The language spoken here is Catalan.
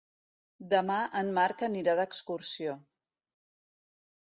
Demà en Marc anirà d'excursió.